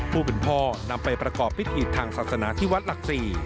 ผู้เป็นพ่อนำไปประกอบพิธีทางศาสนาที่วัดหลักศรี